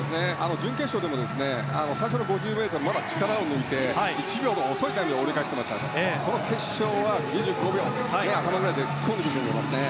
準決勝でも最初の５０ｍは力を抜いて１秒遅いタイムで泳いでましたがこの決勝は５１秒やや頭ぐらいで突っ込んでくるかと思います。